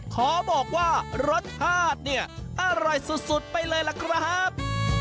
ขอบอกว่ารสชาติเนี่ยอร่อยสุดไปเลยล่ะครับ